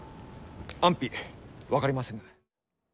安否分かりませぬ。